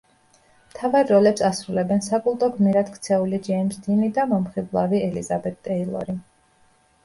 მთავარ როლებს ასრულებენ საკულტო გმირად ქცეული ჯეიმზ დინი და მომხიბლავი ელიზაბეთ ტეილორი.